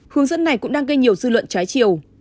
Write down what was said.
hướng dẫn này cũng đang gây nhiều dư luận trái chiều